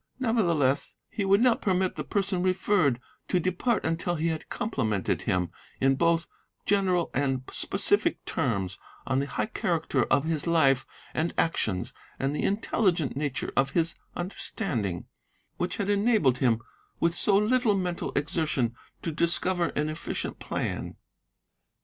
Nevertheless, he would not permit the person referred to to depart until he had complimented him, in both general and specific terms, on the high character of his life and actions, and the intelligent nature of his understanding, which had enabled him with so little mental exertion to discover an efficient plan.